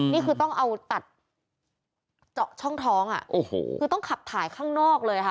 นี่คือต้องเอาตัดเจาะช่องท้องอ่ะโอ้โหคือต้องขับถ่ายข้างนอกเลยค่ะ